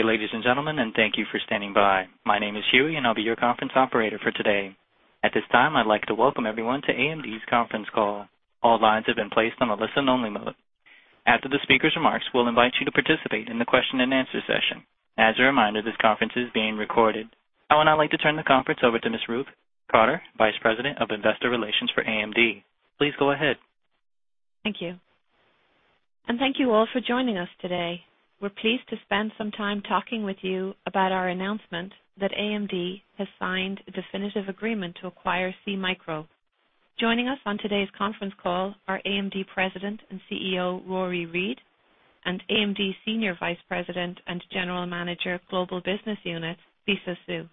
Ladies and gentlemen, thank you for standing by. My name is Huey, and I'll be your conference operator for today. At this time, I'd like to welcome everyone to AMD's conference call. All lines have been placed on the listen-only mode. After the speaker's remarks, we'll invite you to participate in the question and answer session. As a reminder, this conference is being recorded. Now, I'd like to turn the conference over to Ms. Ruth Cotter, Vice President of Investor Relations for AMD. Please go ahead. Thank you, and thank you all for joining us today. We're pleased to spend some time talking with you about our announcement that AMD has signed a definitive agreement to acquire SeaMicro. Joining us on today's conference call are AMD President and CEO Rory Read, and AMD Senior Vice President and General Manager Global Business Unit, Lisa Su.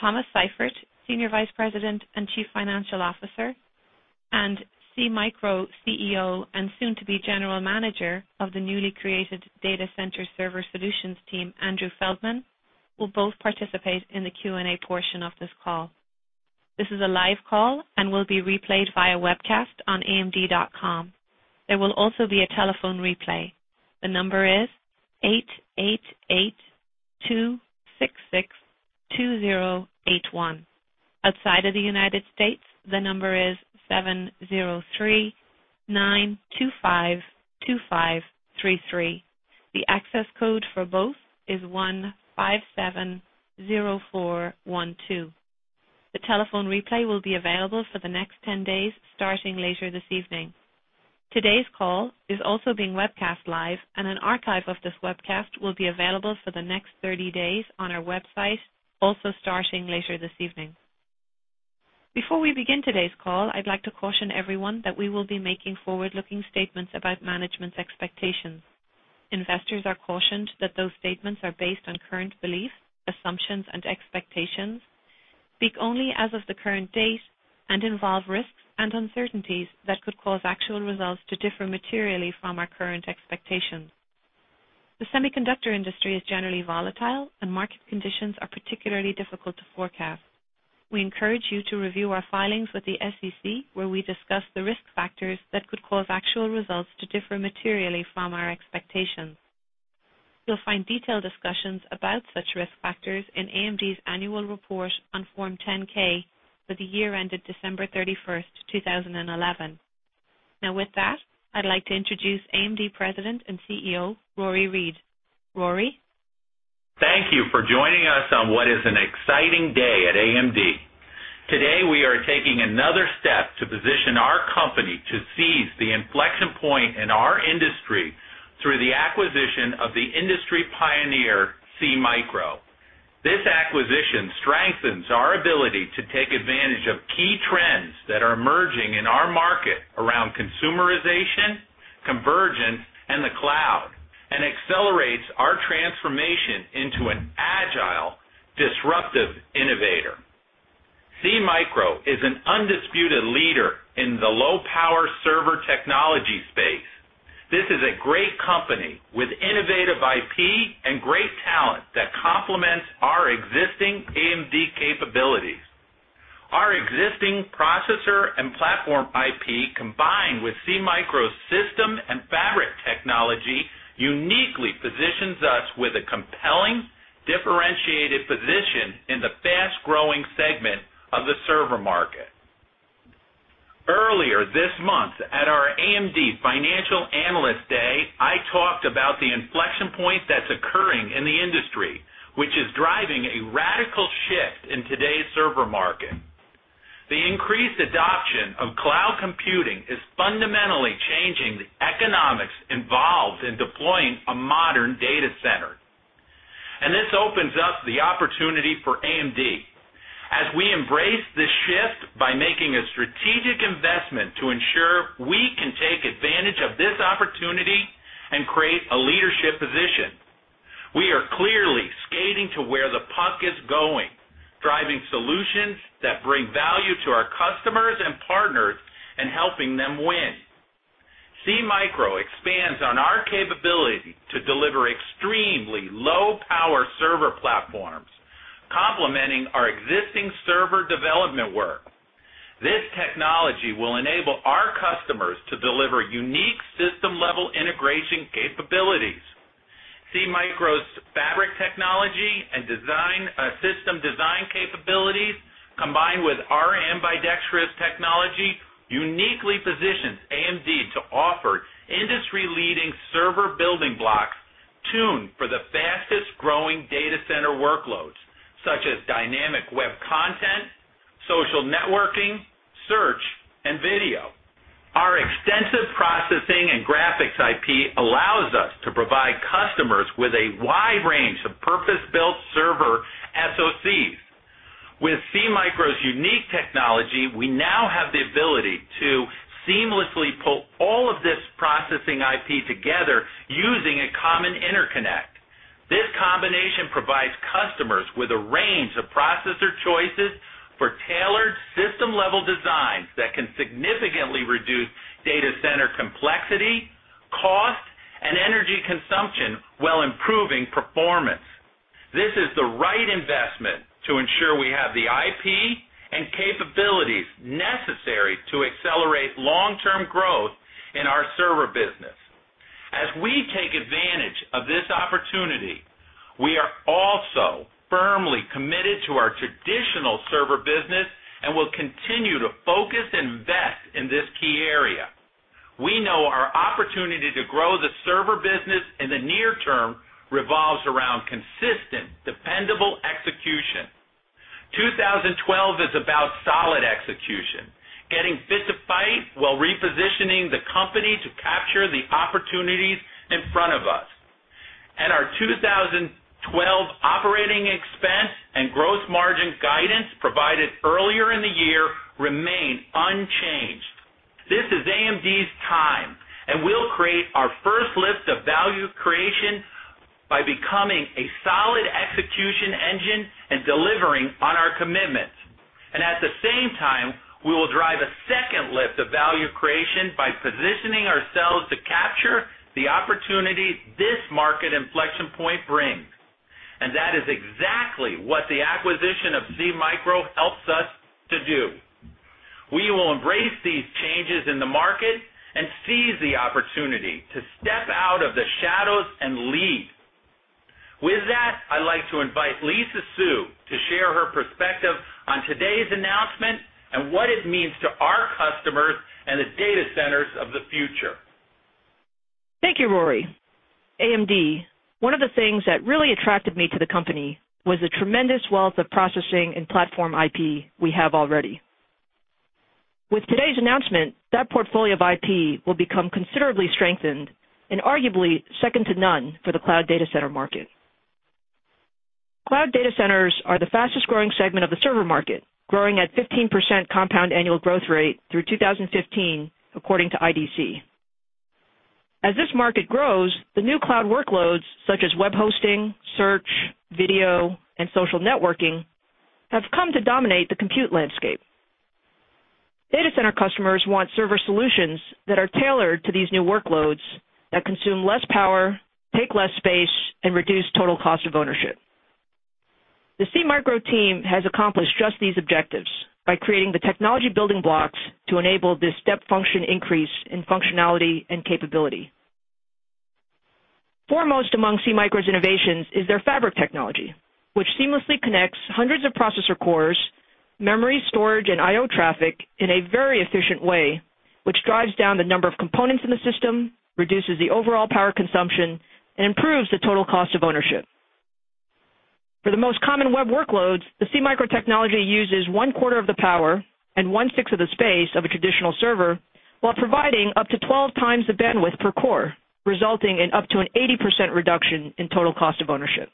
Thomas Seifert, Senior Vice President and Chief Financial Officer, and SeaMicro CEO and soon-to-be General Manager of the newly created Data Center Server Solutions Team, Andrew Feldman, will both participate in the Q&A portion of this call. This is a live call and will be replayed via webcast on AMD.com. There will also be a telephone replay. The number is 888-266-2081. Outside of the United States, the number is 703-925-2533. The access code for both is 1570412. The telephone replay will be available for the next 10 days, starting later this evening. Today's call is also being webcast live, and an archive of this webcast will be available for the next 30 days on our website, also starting later this evening. Before we begin today's call, I'd like to caution everyone that we will be making forward-looking statements about management's expectations. Investors are cautioned that those statements are based on current beliefs, assumptions, and expectations, speak only as of the current date, and involve risks and uncertainties that could cause actual results to differ materially from our current expectations. The semiconductor industry is generally volatile, and market conditions are particularly difficult to forecast. We encourage you to review our filings with the SEC, where we discuss the risk factors that could cause actual results to differ materially from our expectations. You'll find detailed discussions about such risk factors in AMD' annual report on Form 10-K for the year ended December 31, 2011. Now, with that, I'd like to introduce Advanced Micro Devices President and CEO Rory Read. Rory? Thank you for joining us on what is an exciting day at AMD. Today, we are taking another step to position our company to seize the inflection point in our industry through the acquisition of the industry pioneer SeaMicro. This acquisition strengthens our ability to take advantage of key trends that are emerging in our market around consumerization, convergence, and the cloud, and accelerates our transformation into an agile, disruptive innovator. SeaMicro is an undisputed leader in the low-power server technology space. This is a great company with innovative IP and great talent that complements our existing AMD capabilities. Our existing processor and platform IP, combined with SeaMicro's system and fabric technology, uniquely positions us with a compelling, differentiated position in the fast-growing segment of the server market. Earlier this month, at our AMD Financial Analyst Day, I talked about the inflection point that's occurring in the industry, which is driving a radical shift in today's server market. The increased adoption of cloud computing is fundamentally changing the economics involved in deploying a modern data center. This opens up the opportunity for AMD. As we embrace this shift by making a strategic investment to ensure we can take advantage of this opportunity and create a leadership position, we are clearly skating to where the puck is going, driving solutions that bring value to our customers and partners and helping them win. SeaMicro expands on our capability to deliver extremely low-power server platforms, complementing our existing server development work. This technology will enable our customers to deliver unique system-level integration capabilities. SeaMicro's fabric technology and system design capabilities, combined with ambidextrous technology, uniquely position AMD to offer industry-leading server building blocks tuned for the fastest-growing data center workloads, such as dynamic web content, social networking, search, and video. Our extensive processing and graphics IP allows us to provide customers with a wide range of purpose-built server SOCs. With SeaMicro's unique technology, we now have the ability to seamlessly pull all of this processing IP together using a common interconnect. This combination provides customers with a range of processor choices for tailored system-level designs that can significantly reduce data center complexity, cost, and energy consumption while improving performance. This is the right investment to ensure we have the IP and capabilities necessary to accelerate long-term growth in our server business. As we take advantage of this opportunity, we are also firmly committed to our traditional server business and will continue to focus and invest in this key area. We know our opportunity to grow the server business in the near term revolves around consistent, dependable execution. 2012 is about solid execution, getting fit to fight while repositioning the company to capture the opportunities in front of us. Our 2012 operating expense and gross margin guidance provided earlier in the year remain unchanged. This is AMD's time, and we'll create our first lift of value creation by becoming a solid execution engine and delivering on our commitments. At the same time, we will drive a second lift of value creation by positioning ourselves to capture the opportunity this market inflection point brings. That is exactly what the acquisition of SeaMicro helps us to do. We will embrace these changes in the market and seize the opportunity to step out of the shadows and lead. With that, I'd like to invite Lisa Su to share her perspective on today's announcement and what it means to our customers and the data centers of the future. Thank you, Rory. AMD, one of the things that really attracted me to the company was the tremendous wealth of processing and platform IP we have already. With today's announcement, that portfolio of IP will become considerably strengthened and arguably second to none for the cloud data center market. Cloud data centers are the fastest-growing segment of the server market, growing at a 15% compound annual growth rate through 2015, according to IDC. As this market grows, the new cloud workloads, such as web hosting, search, video, and social networking, have come to dominate the compute landscape. Data center customers want server solutions that are tailored to these new workloads that consume less power, take less space, and reduce total cost of ownership. The SeaMicro team has accomplished just these objectives by creating the technology building blocks to enable this step function increase in functionality and capability. Foremost among SeaMicro's innovations is their fabric technology, which seamlessly connects hundreds of processor cores, memory, storage, and I/O traffic in a very efficient way, which drives down the number of components in the system, reduces the overall power consumption, and improves the total cost of ownership. For the most common web workloads, the SeaMicro technology uses one-quarter of the power and one-sixth of the space of a traditional server while providing up to 12x the bandwidth per core, resulting in up to an 80% reduction in total cost of ownership.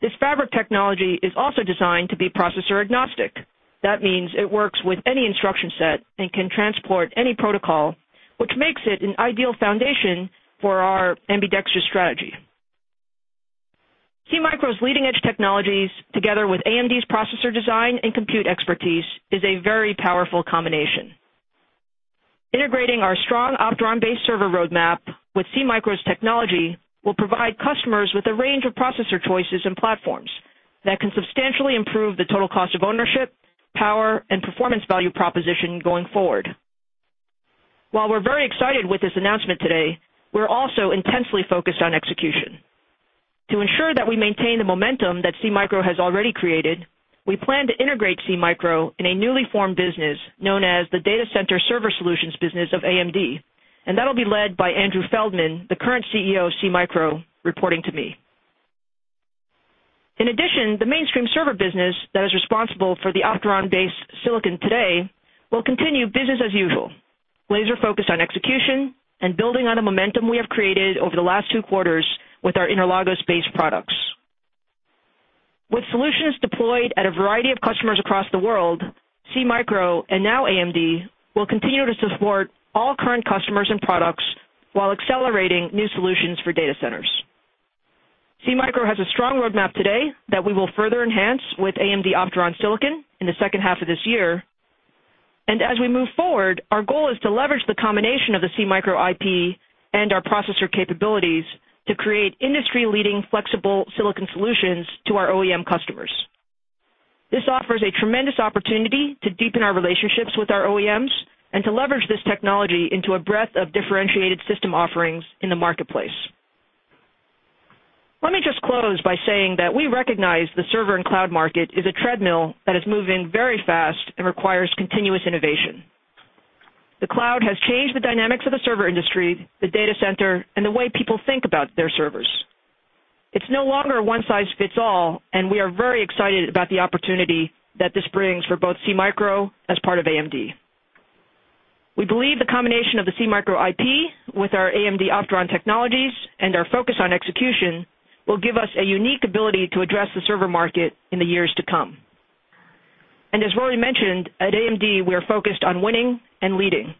This fabric technology is also designed to be processor agnostic. That means it works with any instruction set and can transport any protocol, which makes it an ideal foundation for our ambidextrous strategy. SeaMicro's leading-edge technologies, together with Advanced Micro Devices' processor design and compute expertise, is a very powerful combination. Integrating our strong Opteron-based server roadmap with SeaMicro's technology will provide customers with a range of processor choices and platforms that can substantially improve the total cost of ownership, power, and performance value proposition going forward. While we're very excited with this announcement today, we're also intensely focused on execution. To ensure that we maintain the momentum that SeaMicro has already created, we plan to integrate SeaMicro in a newly formed business known as the Data Center Server Solutions business of Advanced Micro Devices. That will be led by Andrew Feldman, the current CEO of SeaMicro, reporting to me. In addition, the mainstream server business that is responsible for the Opteron-based silicon today will continue business as usual, laser-focused on execution and building on the momentum we have created over the last two quarters with our Interlagos-based products. With solutions deployed at a variety of customers across the world, SeaMicro, and now Advanced Micro Devices, will continue to support all current customers and products while accelerating new solutions for data centers. SeaMicro has a strong roadmap today that we will further enhance with Advanced Micro Devices Opteron silicon in the second half of this year. As we move forward, our goal is to leverage the combination of the SeaMicro IP and our processor capabilities to create industry-leading flexible silicon solutions to our OEM customers. This offers a tremendous opportunity to deepen our relationships with our OEMs and to leverage this technology into a breadth of differentiated system offerings in the marketplace. Let me just close by saying that we recognize the server and cloud market is a treadmill that is moving very fast and requires continuous innovation. The cloud has changed the dynamics of the server industry, the data center, and the way people think about their servers. It's no longer a one-size-fits-all, and we are very excited about the opportunity that this brings for both SeaMicro as part of AMD. We believe the combination of the SeaMicro IP with our AMD Opteron technologies and our focus on execution will give us a unique ability to address the server market in the years to come. As Rory mentioned, at Advanced Micro Devices, we are focused on winning and leading.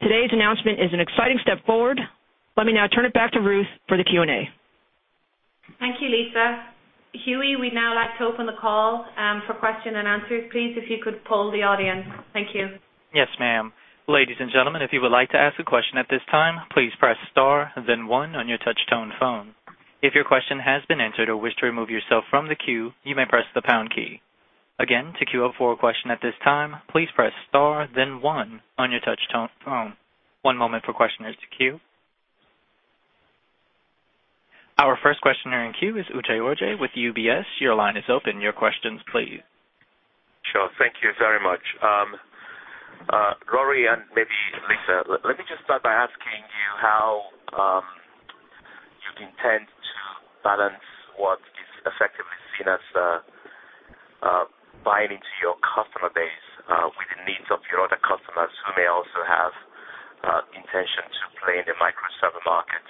Today's announcement is an exciting step forward. Let me now turn it back to Ruth for the Q&A. Thank you, Lisa. Huey, we now would like to open the call for questions and answers. Please, if you could poll the audience. Thank you. Yes, ma'am. Ladies and gentlemen, if you would like to ask a question at this time, please press star then one on your touch-tone phone. If your question has been answered or wish to remove yourself from the queue, you may press the pound key. Again, to queue up for a question at this time, please press star then one on your touch-tone phone. One moment for questioners to queue. Our first questioner in queue is Uche Orji with UBS. Your line is open. Your questions, please. Sure. Thank you very much. Rory and maybe Lisa, let me just start by asking you how you intend to balance what is effectively seen as buying into your customer base with the needs of your other customers who may also have the intention to play in the microserver market,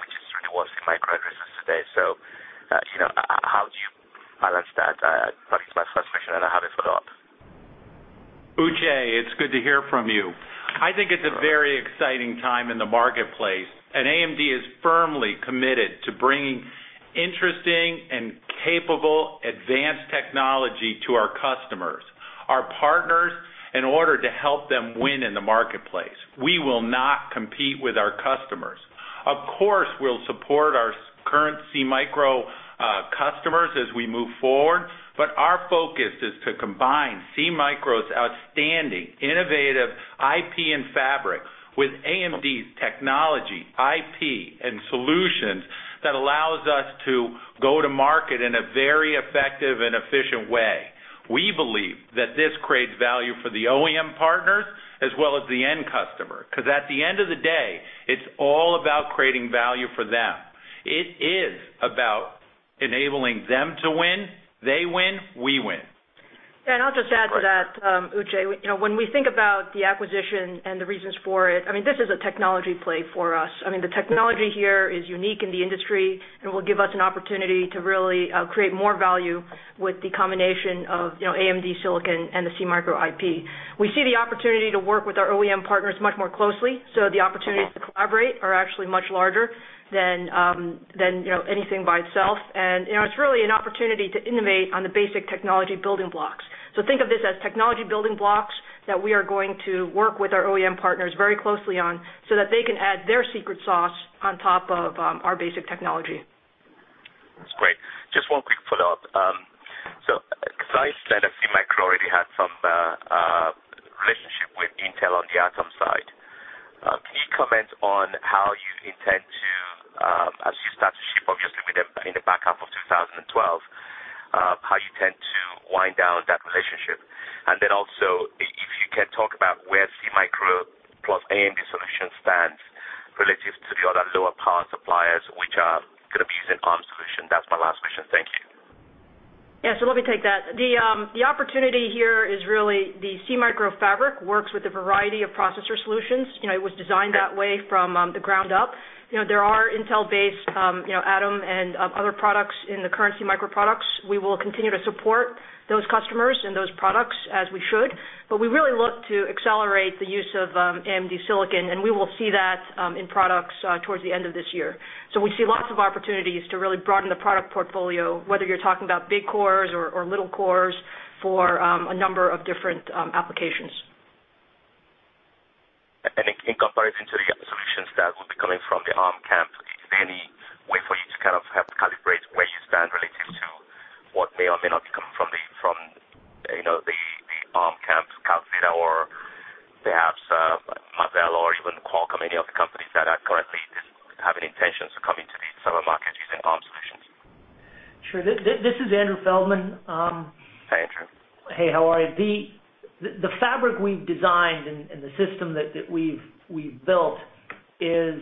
which is really what SeaMicro addresses today. How do you balance that? That is my first question, and I have it for a lot. Uche, it's good to hear from you. I think it's a very exciting time in the marketplace, and Advanced Micro Devices is firmly committed to bringing interesting and capable advanced technology to our customers, our partners, in order to help them win in the marketplace. We will not compete with our customers. Of course, we'll support our current SeaMicro customers as we move forward, but our focus is to combine SeaMicro's outstanding, innovative IP and fabric with Advanced Micro Devices' technology, IP, and solutions that allow us to go to market in a very effective and efficient way. We believe that this creates value for the OEM partners as well as the end customer, because at the end of the day, it's all about creating value for them. It is about enabling them to win. They win, we win. Yeah, and I'll just add to that, Uche. You know, when we think about the acquisition and the reasons for it, I mean, this is a technology play for us. The technology here is unique in the industry and will give us an opportunity to really create more value with the combination of AMD silicon and the SeaMicro IP. We see the opportunity to work with our OEM partners much more closely, so the opportunities to collaborate are actually much larger than anything by itself. It is really an opportunity to innovate on the basic technology building blocks. Think of this as technology building blocks that we are going to work with our OEM partners very closely on so that they can add their secret sauce on top of our basic technology. That's great. Just one quick follow-up. Besides that, SeaMicro already had some relationship with Intel on the Atom side. Can you comment on how you intend to, as you start to ship, obviously, with them in the back half of 2012, how you intend to wind down that relationship? Also, if you can talk about where SeaMicro plus AMD solution stands relative to the other lower-power suppliers which are going to be using ARM solutions. That's my last question. Thank you. Yeah, let me take that. The opportunity here is really the SeaMicro fabric works with a variety of processor solutions. It was designed that way from the ground up. There are Intel-based Atom and other products in the current SeaMicro products. We will continue to support those customers and those products as we should, but we really look to accelerate the use of AMD silicon, and we will see that in products towards the end of this year. We see lots of opportunities to really broaden the product portfolio, whether you're talking about big cores or little cores for a number of different applications. In comparison to the solutions that will be coming from the ARM camp, is there any way for you to kind of help calibrate where you stand relative to what may or may not be coming from the ARM camp, Calxeda, or perhaps Marvell or even Qualcomm, any of the companies that are currently having intentions of coming to the server market using ARM solutions? Sure. This is Andrew Feldman. Hi, Andrew. Hey, how are you? The fabric we've designed and the system that we've built is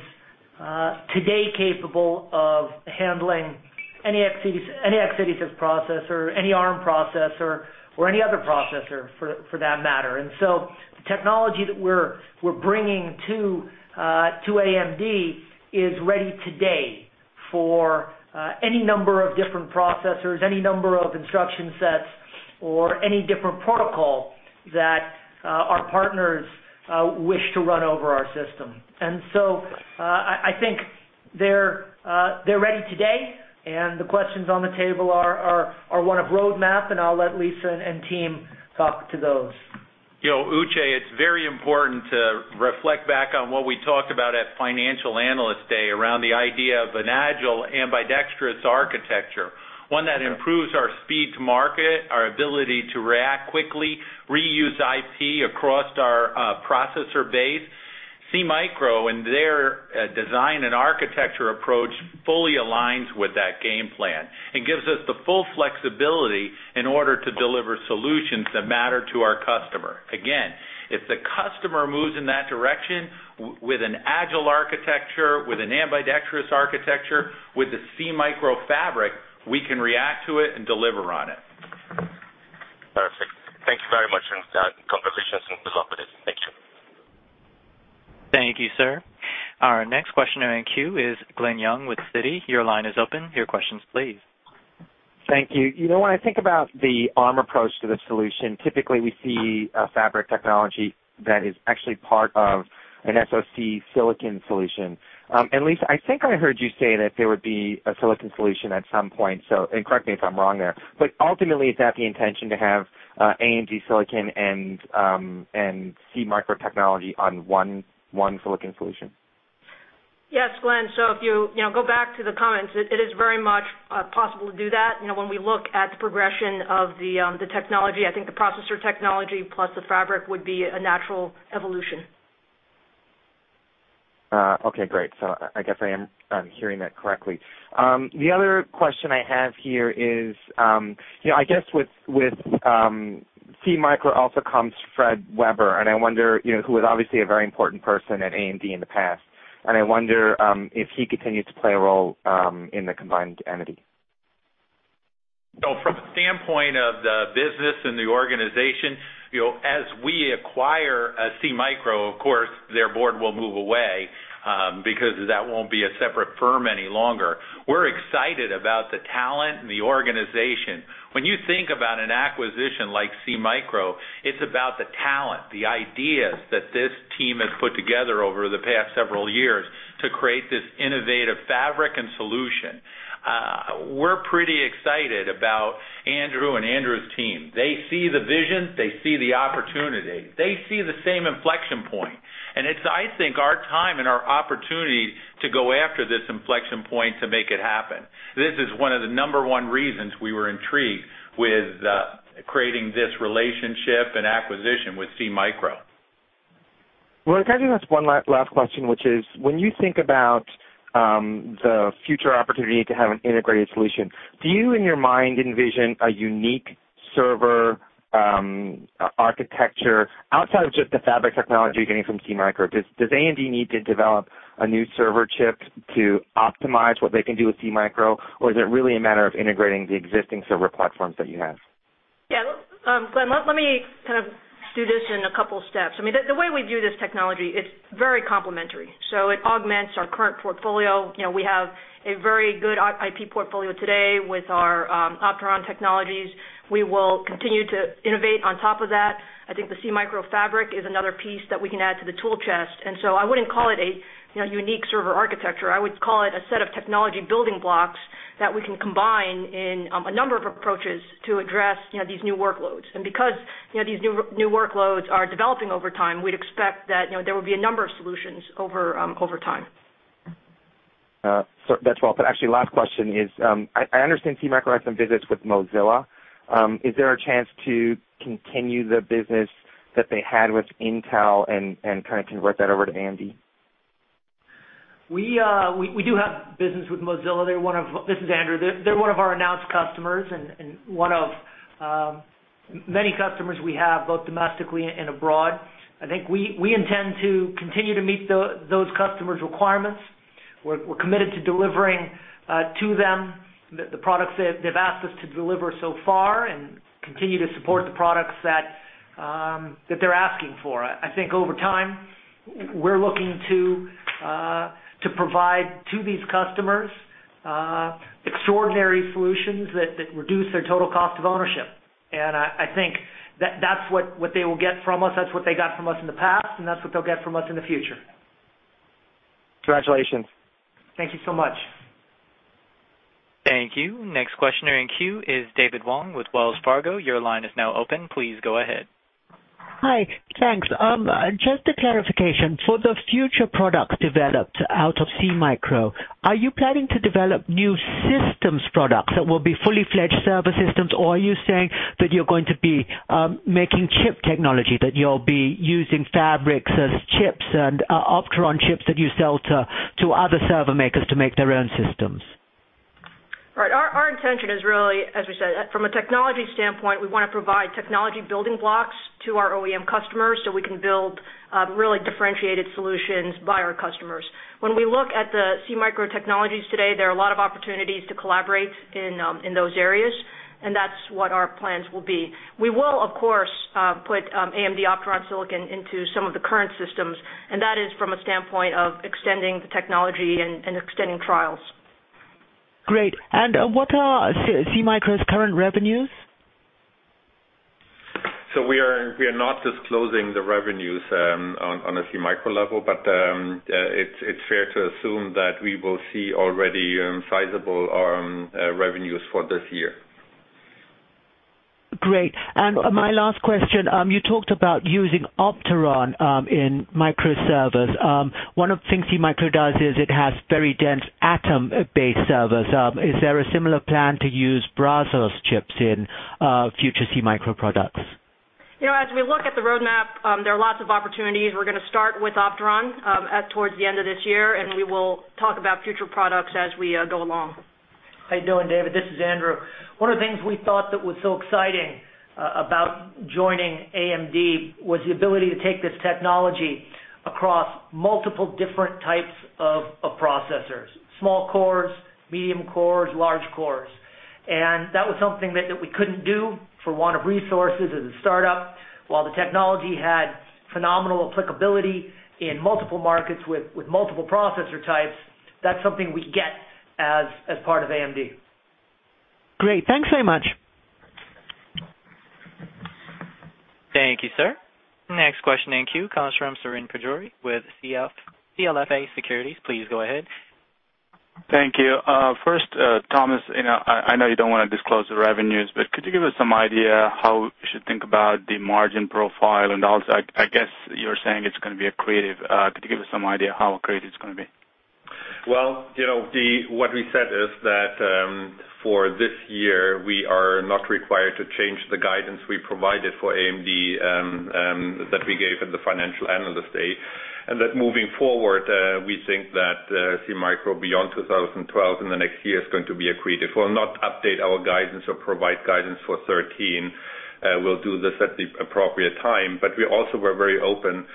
today capable of handling any x86 processor, any ARM processor, or any other processor for that matter. The technology that we're bringing to AMD is ready today for any number of different processors, any number of instruction sets, or any different protocol that our partners wish to run over our system. I think they're ready today, and the questions on the table are one of roadmap. I'll let Lisa and team talk to those. You know, Uche, it's very important to reflect back on what we talked about at Financial Analyst Day around the idea of an agile and ambidextrous architecture, one that improves our speed to market, our ability to react quickly, reuse IP across our processor base. SeaMicro and their design and architecture approach fully aligns with that game plan and gives us the full flexibility in order to deliver solutions that matter to our customer. Again, if the customer moves in that direction with an agile architecture, with an ambidextrous architecture, with the SeaMicro fabric, we can react to it and deliver on it. Perfect. Thank you very much and congratulations and good luck with it. Thank you. Thank you, sir. Our next questioner in queue is Glen Yeung with Citi. Your line is open. Your questions, please. Thank you. You know, when I think about the ARM approach to the solution, typically we see a fabric technology that is actually part of an SoC silicon solution. Lisa, I think I heard you say that there would be a silicon solution at some point, and correct me if I'm wrong there, but ultimately is that the intention to have AMD silicon and SeaMicro technology on one silicon solution? Yes, Glen. If you go back to the comments, it is very much possible to do that. You know, when we look at the progression of the technology, I think the processor technology plus the fabric would be a natural evolution. OK, great. I guess I am hearing that correctly. The other question I have here is, you know, I guess with SeaMicro also comes Fred Weber, and I wonder, you know, who was obviously a very important person at AMD in the past, and I wonder if he continues to play a role in the combined entity. From the standpoint of the business and the organization, as we acquire SeaMicro, their board will move away because that won't be a separate firm any longer. We're excited about the talent and the organization. When you think about an acquisition like SeaMicro, it's about the talent, the ideas that this team has put together over the past several years to create this innovative fabric and solution. We're pretty excited about Andrew and Andrew's team. They see the vision. They see the opportunity. They see the same inflection point. I think it's our time and our opportunity to go after this inflection point to make it happen. This is one of the number one reasons we were intrigued with creating this relationship and acquisition with SeaMicro. Can I just ask one last question, which is, when you think about the future opportunity to have an integrated solution, do you, in your mind, envision a unique server architecture outside of just the fabric technology getting from SeaMicro? Does AMD need to develop a new server chip to optimize what they can do with SeaMicro, or is it really a matter of integrating the existing server platform that you have? Yeah, Glenn, let me kind of do this in a couple of steps. I mean, the way we do this technology, it's very complementary. It augments our current portfolio. You know, we have a very good IP portfolio today with our Opteron technologies. We will continue to innovate on top of that. I think the SeaMicro fabric is another piece that we can add to the tool chest. I wouldn't call it a unique server architecture. I would call it a set of technology building blocks that we can combine in a number of approaches to address these new workloads. Because these new workloads are developing over time, we'd expect that there will be a number of solutions over time. That's wonderful. Actually, last question is, I understand SeaMicro has some business with Mozilla. Is there a chance to continue the business that they had with Intel and kind of convert that over to AMD? We do have business with Mozilla. This is Andrew Feldman. They're one of our announced customers and one of many customers we have both domestically and abroad. I think we intend to continue to meet those customers' requirements. We're committed to delivering to them the products they've asked us to deliver so far and continue to support the products that they're asking for. I think over time, we're looking to provide to these customers extraordinary solutions that reduce their total cost of ownership. I think that's what they will get from us. That's what they got from us in the past, and that's what they'll get from us in the future. Congratulations. Thank you so much. Thank you. Next questioner in queue is David Wang with Wells Fargo. Your line is now open. Please go ahead. Hi. Thanks. Just a clarification. For the future products developed out of SeaMicro, are you planning to develop new systems products that will be fully fledged server systems, or are you saying that you're going to be making chip technology, that you'll be using fabric as chips and Opteron chips that you sell to other server makers to make their own systems? Right. Our intention is really, as we said, from a technology standpoint, we want to provide technology building blocks to our OEM customers so we can build really differentiated solutions by our customers. When we look at the SeaMicro technologies today, there are a lot of opportunities to collaborate in those areas, and that's what our plans will be. We will, of course, put AMD Opteron silicon into some of the current systems, and that is from a standpoint of extending the technology and extending trials. Great. What are SeaMicro's current revenues? We are not disclosing the revenues on a SeaMicro level, but it's fair to assume that we will see already sizable revenues for this year. Great. My last question, you talked about using Opteron in microservers. One of the things SeaMicro does is it has very dense Atom-based servers. Is there a similar plan to use Braswell chips in future SeaMicro products? You know, as we look at the roadmap, there are lots of opportunities. We're going to start with Opteron towards the end of this year, and we will talk about future products as we go along. Hey, Dylan, David, this is Andrew. One of the things we thought that was so exciting about joining AMD was the ability to take this technology across multiple different types of processors, small cores, medium cores, large cores. That was something that we couldn't do for want of resources as a startup. While the technology had phenomenal applicability in multiple markets with multiple processor types, that's something we can get as part of AMD. Great. Thanks very much. Thank you, sir. Next question in queue, Srini Pajjuri with CLSA Securities. Please go ahead. Thank you. First, Thomas, you know, I know you don't want to disclose the revenues, but could you give us some idea how we should think about the margin profile? Also, I guess you're saying it's going to be accretive. Could you give us some idea how accretive it's going to be? What we said is that for this year, we are not required to change the guidance we provided for Advanced Micro Devices that we gave at the Financial Analyst Day. Moving forward, we think that SeaMicro beyond 2012 in the next year is going to be accretive. We'll not update our guidance or provide guidance for 2013. We'll do this at the appropriate time. We also were very open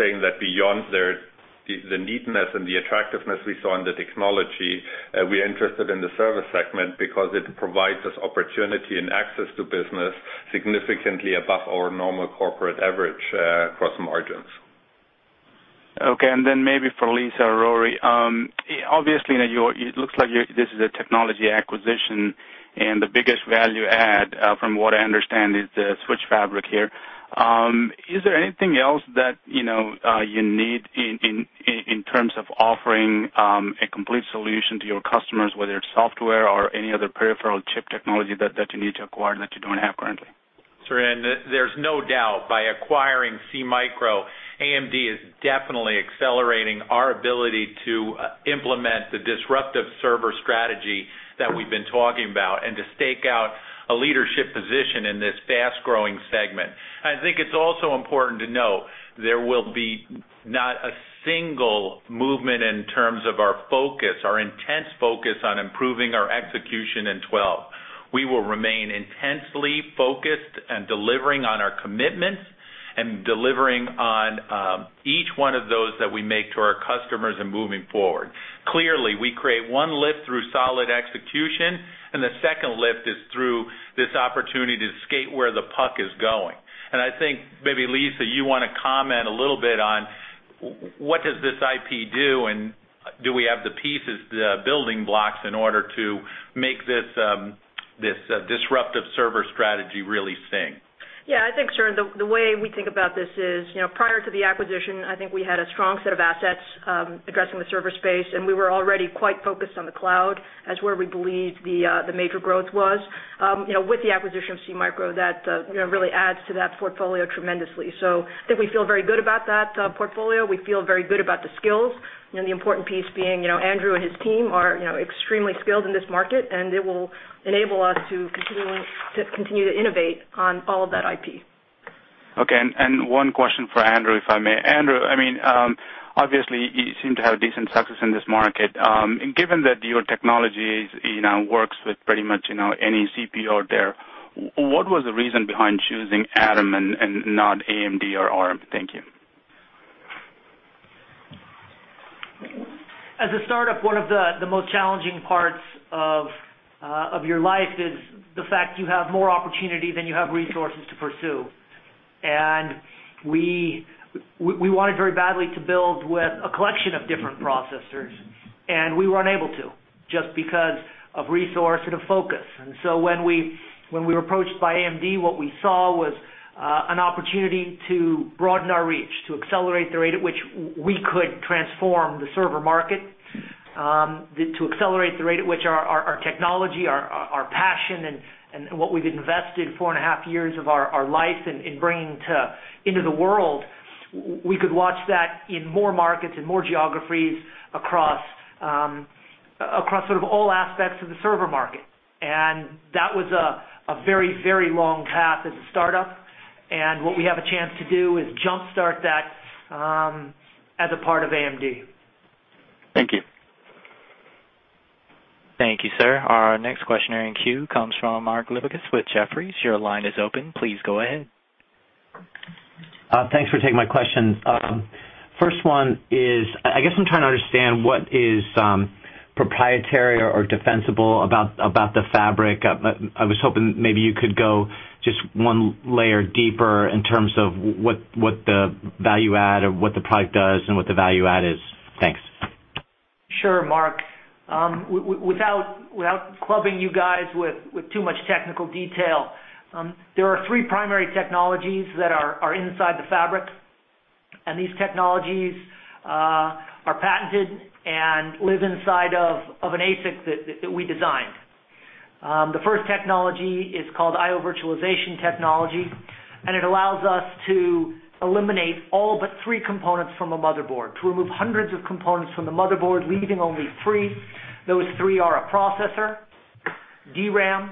saying that beyond the neatness and the attractiveness we saw in the technology, we are interested in the server segment because it provides us opportunity and access to business significantly above our normal corporate average across margins. OK. Maybe for Lisa or Rory, obviously, it looks like this is a technology acquisition, and the biggest value add, from what I understand, is the switch fabric here. Is there anything else that you need in terms of offering a complete solution to your customers, whether it's software or any other peripheral chip technology that you need to acquire that you don't have currently? Sure. There is no doubt by acquiring SeaMicro, Advanced Micro Devices is definitely accelerating our ability to implement the disruptive server strategy that we've been talking about and to stake out a leadership position in this fast-growing segment. I think it's also important to note there will be not a single movement in terms of our focus, our intense focus on improving our execution in 2012. We will remain intensely focused and delivering on our commitments and delivering on each one of those that we make to our customers and moving forward. Clearly, we create one lift through solid execution, and the second lift is through this opportunity to skate where the puck is going. I think maybe, Lisa, you want to comment a little bit on what does this IP do, and do we have the pieces, the building blocks, in order to make this disruptive server strategy really sing? Yeah, I think, sure. The way we think about this is, you know, prior to the acquisition, I think we had a strong set of assets addressing the server space, and we were already quite focused on the cloud as where we believed the major growth was. With the acquisition of SeaMicro, that really adds to that portfolio tremendously. I think we feel very good about that portfolio. We feel very good about the skills, the important piece being Andrew and his team are extremely skilled in this market, and it will enable us to continue to innovate on all of that IP. OK. One question for Andrew, if I may. Andrew, obviously, you seem to have decent success in this market. Given that your technology works with pretty much any CPU out there, what was the reason behind choosing Atom and not AMD or ARM? Thank you. As a startup, one of the most challenging parts of your life is the fact you have more opportunity than you have resources to pursue. We wanted very badly to build with a collection of different processors, and we were unable to just because of resource and of focus. When we were approached by Advanced Micro Devices, what we saw was an opportunity to broaden our reach, to accelerate the rate at which we could transform the server market, to accelerate the rate at which our technology, our passion, and what we've invested four and a half years of our life in bringing into the world, we could watch that in more markets and more geographies across sort of all aspects of the server market. That was a very, very long path as a startup. What we have a chance to do is jumpstart that as a part of Advanced Micro Devices. Thank you. Thank you, sir. Our next questioner in queue comes from Mark Lipacis with Jefferies. Your line is open. Please go ahead. Thanks for taking my question. First one is, I guess I'm trying to understand what is proprietary or defensible about the fabric. I was hoping maybe you could go just one layer deeper in terms of what the value add or what the product does and what the value add is. Thanks. Sure, Mark. Without flubbing you guys with too much technical detail, there are three primary technologies that are inside the fabric. These technologies are patented and live inside of an ASIC that we designed. The first technology is called I/O virtualization technology, and it allows us to eliminate all but three components from a motherboard, to remove hundreds of components from the motherboard, leaving only three. Those three are a processor, DRAM,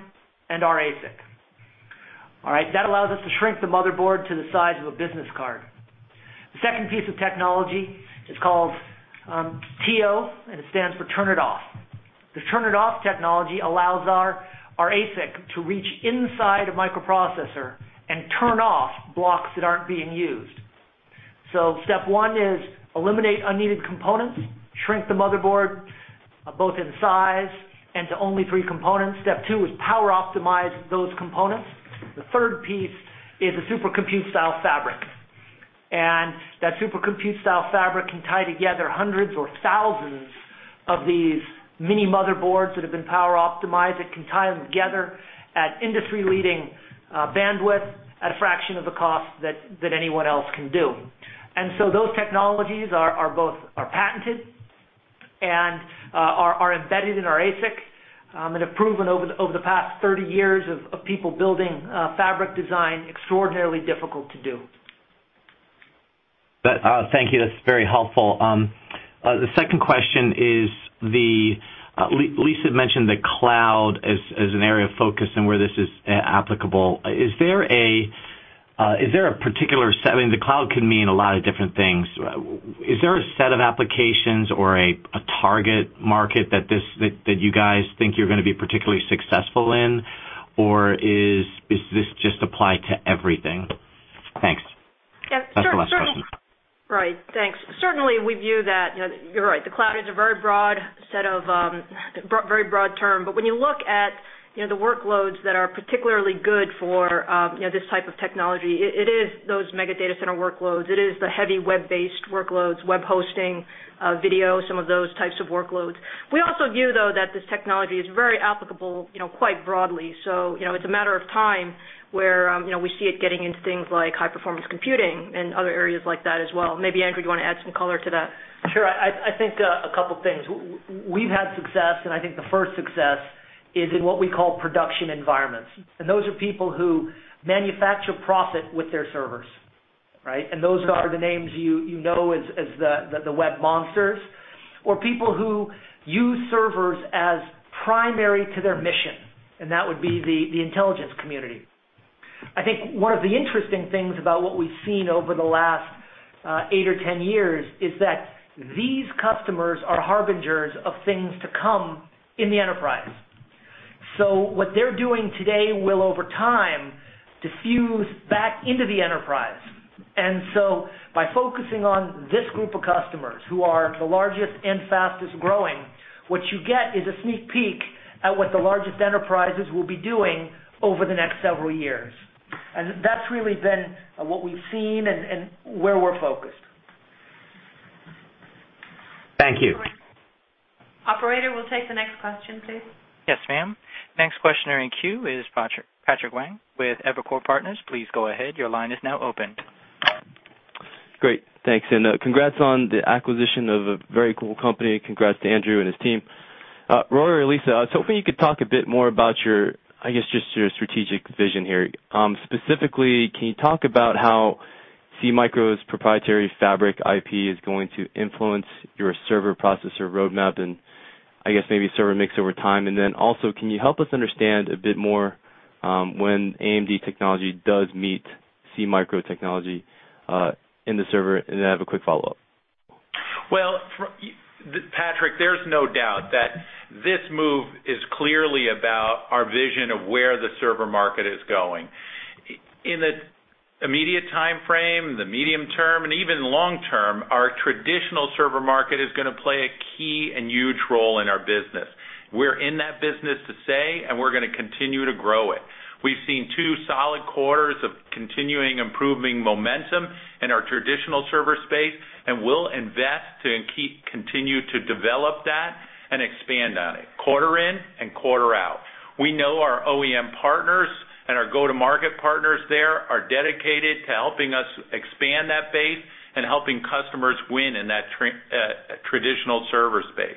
and our ASIC. That allows us to shrink the motherboard to the size of a business card. The second piece of technology is called TO, and it stands for turn it off. The turn it off technology allows our ASIC to reach inside a microprocessor and turn off blocks that aren't being used. Step one is eliminate unneeded components, shrink the motherboard both in size and to only three components. Step two is power optimize those components. The third piece is a supercompute-style fabric. That supercompute-style fabric can tie together hundreds or thousands of these mini motherboards that have been power optimized. It can tie them together at industry-leading bandwidth at a fraction of the cost that anyone else can do. Those technologies are both patented and are embedded in our ASICs and have proven over the past 30 years of people building fabric design extraordinarily difficult to do. Thank you. That's very helpful. The second question is, Lisa mentioned the cloud as an area of focus and where this is applicable. Is there a particular set? I mean, the cloud can mean a lot of different things. Is there a set of applications or a target market that you guys think you're going to be particularly successful in, or does this just apply to everything? Thanks. Yeah, certainly. That's my question. Right. Thanks. Certainly, we view that you're right. The cloud is a very broad term. When you look at the workloads that are particularly good for this type of technology, it is those mega data center workloads. It is the heavy web-based workloads, web hosting, video, some of those types of workloads. We also view, though, that this technology is very applicable quite broadly. It's a matter of time where we see it getting into things like high-performance computing and other areas like that as well. Maybe, Andrew, you want to add some color to that? Sure. I think a couple of things. We've had success, and I think the first success is in what we call production environments. Those are people who manufacture profit with their servers, right? Those are the names you know as the web monsters, or people who use servers as primary to their mission, and that would be the intelligence community. I think one of the interesting things about what we've seen over the last eight or 10 years is that these customers are harbingers of things to come in the enterprise. What they're doing today will, over time, diffuse back into the enterprise. By focusing on this group of customers who are the largest and fastest growing, what you get is a sneak peek at what the largest enterprises will be doing over the next several years. That's really been what we've seen and where we're focused. Thank you. Operator, we'll take the next question, please. Yes, ma'am. Next questioner in queue is Patrick Wang with Evercore Partners. Please go ahead. Your line is now open. Great. Thanks. Congrats on the acquisition of a very cool company. Congrats to Andrew and his team. Rory or Lisa, I was hoping you could talk a bit more about your strategic vision here. Specifically, can you talk about how SeaMicro's proprietary fabric IP is going to influence your server processor roadmap and maybe server mix over time? Also, can you help us understand a bit more when AMD technology does meet SeaMicro technology in the server? I have a quick follow-up. Patrick, there's no doubt that this move is clearly about our vision of where the server market is going. In the immediate time frame, the medium term, and even long term, our traditional server market is going to play a key and huge role in our business. We're in that business to stay, and we're going to continue to grow it. We've seen two solid quarters of continuing improving momentum in our traditional server space, and we'll invest and continue to develop that and expand on it quarter in and quarter out. We know our OEM partners and our go-to-market partners there are dedicated to helping us expand that base and helping customers win in that traditional server space.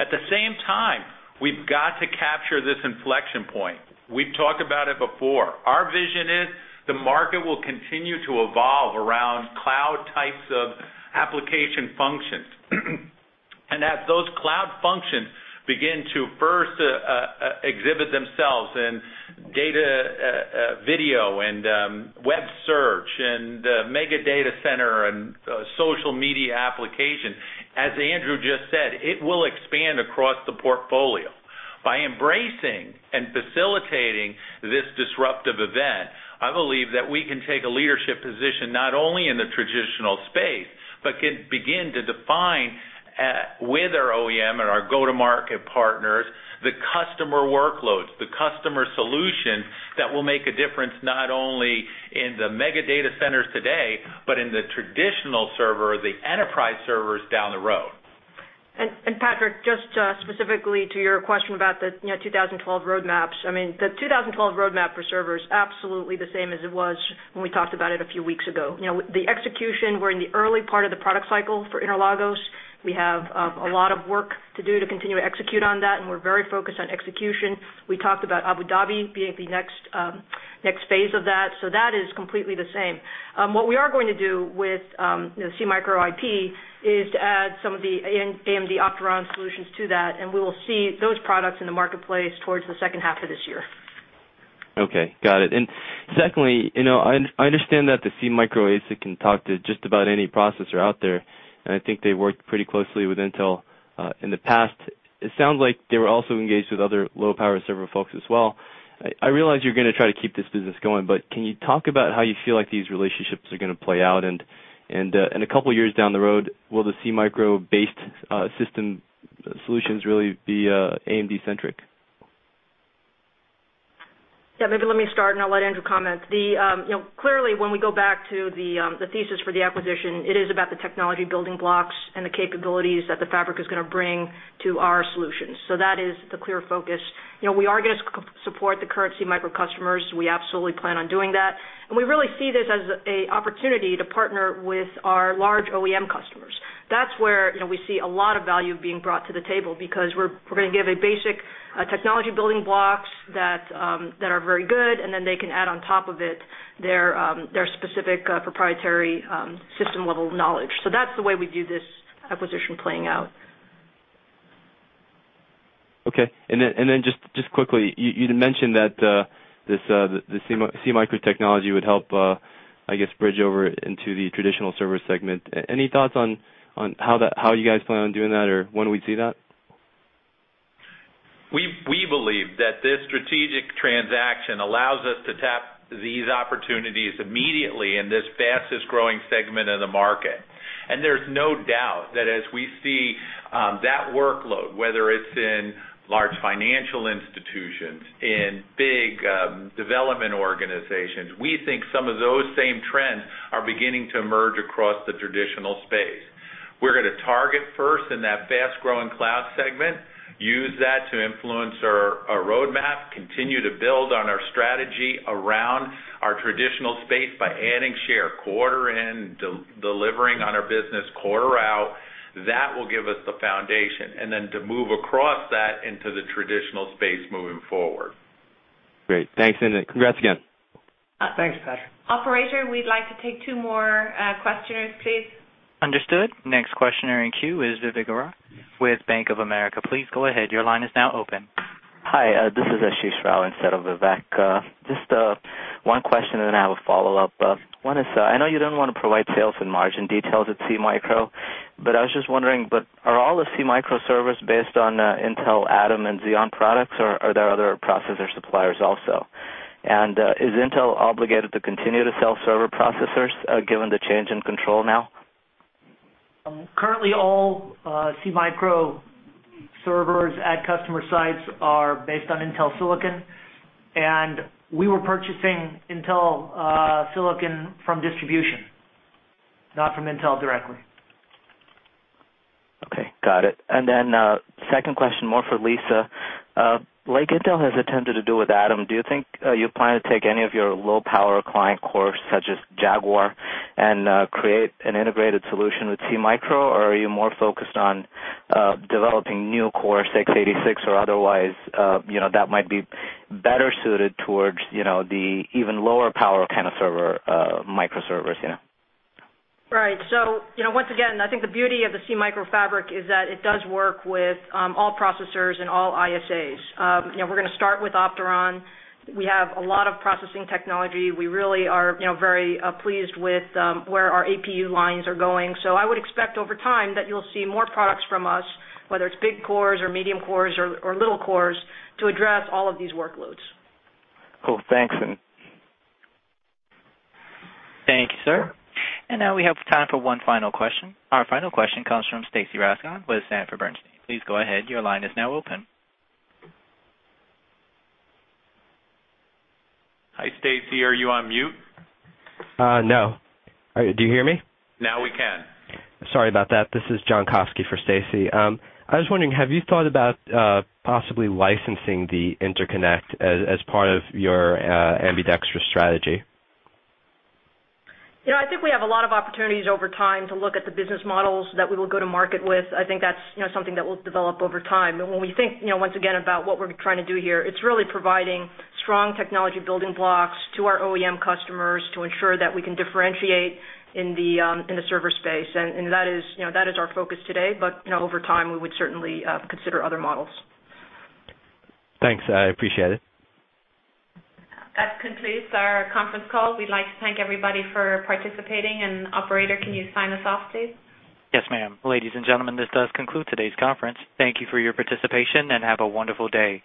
At the same time, we've got to capture this inflection point. We've talked about it before. Our vision is the market will continue to evolve around cloud types of application functions. As those cloud functions begin to first exhibit themselves in data, video, and web search, and mega data center, and social media application, as Andrew just said, it will expand across the portfolio. By embracing and facilitating this disruptive event, I believe that we can take a leadership position not only in the traditional space but can begin to define with our OEM and our go-to-market partners the customer workloads, the customer solutions that will make a difference not only in the mega data centers today, but in the traditional server or the enterprise servers down the road. Patrick, just specifically to your question about the 2012 roadmaps, the 2012 roadmap for server is absolutely the same as it was when we talked about it a few weeks ago. The execution, we're in the early part of the product cycle for Interlagos. We have a lot of work to do to continue to execute on that, and we're very focused on execution. We talked about Abu Dhabi being the next phase of that. That is completely the same. What we are going to do with SeaMicro IP is to add some of the AMD Opteron solutions to that, and we will see those products in the marketplace towards the second half of this year. OK. Got it. Secondly, I understand that the SeaMicro ASIC can talk to just about any processor out there, and I think they worked pretty closely with Intel in the past. It sounds like they were also engaged with other low-power server folks as well. I realize you're going to try to keep this business going, but can you talk about how you feel like these relationships are going to play out? A couple of years down the road, will the SeaMicro-based system solutions really be AMD-centric? Maybe let me start, and I'll let Andrew comment. Clearly, when we go back to the thesis for the acquisition, it is about the technology building blocks and the capabilities that the fabric is going to bring to our solutions. That is the clear focus. We are going to support the current SeaMicro customers. We absolutely plan on doing that. We really see this as an opportunity to partner with our large OEM customers. That's where we see a lot of value being brought to the table because we're going to give basic technology building blocks that are very good, and then they can add on top of it their specific proprietary system-level knowledge. That's the way we view this acquisition playing out. OK. You mentioned that the SeaMicro technology would help, I guess, bridge over into the traditional server segment. Any thoughts on how you guys plan on doing that or when we'd see that? We believe that this strategic transaction allows us to tap these opportunities immediately in this fastest-growing segment of the market. There is no doubt that as we see that workload, whether it's in large financial institutions, in big development organizations, we think some of those same trends are beginning to emerge across the traditional space. We're going to target first in that fast-growing cloud segment, use that to influence our roadmap, continue to build on our strategy around our traditional space by adding share quarter in, delivering on our business quarter out. That will give us the foundation and then to move across that into the traditional space moving forward. Great. Thanks, and congrats again. Thanks, Patrick. Operator, we'd like to take two more questioners, please. Understood. Next questioner in queue is Vivek Arya with Bank of America. Please go ahead. Your line is now open. Hi. This is Ashish Rao instead of Vivek. Just one question, and then I have a follow-up. I know you don't want to provide sales and margin details at SeaMicro, but I was just wondering, are all of SeaMicro servers based on Intel, Atom, and Xeon products, or are there other processor suppliers also? Is Intel obligated to continue to sell server processors given the change in control now? Currently, all SeaMicro servers at customer sites are based on Intel silicon. We were purchasing Intel silicon from distribution, not from Intel directly. OK. Got it. Second question, more for Lisa. Like Intel has attempted to do with Atom, do you think you plan to take any of your low-power client cores such as Jaguar and create an integrated solution with SeaMicro, or are you more focused on developing new cores, x86 or otherwise, that might be better suited towards the even lower power kind of server microservers? Right. Once again, I think the beauty of the SeaMicro fabric is that it does work with all processors and all ISAs. We're going to start with Opteron. We have a lot of processing technology. We really are very pleased with where our APU lines are going. I would expect over time that you'll see more products from us, whether it's big cores or medium cores or little cores, to address all of these workloads. Cool. Thanks. Thank you, sir. We have time for one final question. Our final question comes from Stacy Rasgon with Sanford Bernstein. Please go ahead. Your line is now open. Hi, Stacy. Are you on mute? No. Do you hear me? Now we can. Sorry about that. This is John Kofsky for Stacy. I was wondering, have you thought about possibly licensing the interconnect as part of your ambidextrous strategy? I think we have a lot of opportunities over time to look at the business models that we will go to market with. I think that's something that will develop over time. When we think, once again, about what we're trying to do here, it's really providing strong technology building blocks to our OEM customers to ensure that we can differentiate in the server space. That is our focus today. Over time, we would certainly consider other models. Thanks. I appreciate it. That concludes our conference call. We'd like to thank everybody for participating. Operator, can you sign us off, please? Yes, ma'am. Ladies and gentlemen, this does conclude today's conference. Thank you for your participation and have a wonderful day.